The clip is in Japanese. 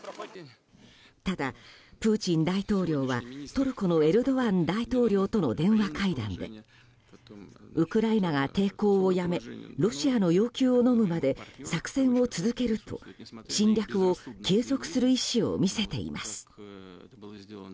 ただ、プーチン大統領はトルコのエルドアン大統領との電話会談でウクライナが抵抗をやめロシアの要求をのむまで作戦を続けると侵略を継続する意思を見せています。